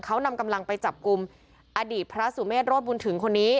เขานำกำลังไปจับกลุ่มอดีตพระสุเมษโรธบุญถึงคนนี้